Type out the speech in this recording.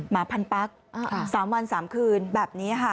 หมาพันปั๊ก๓วัน๓คืนแบบนี้ค่ะ